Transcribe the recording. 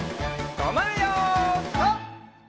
とまるよピタ！